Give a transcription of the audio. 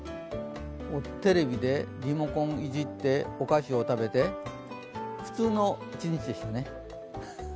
テレビでリモコンいじって、お菓子を食べて普通の一日でしたね。